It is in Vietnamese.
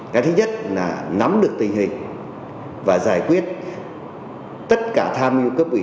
cái thứ nhất là nắm được tình hình và giải quyết tất cả tham mưu cấp ủy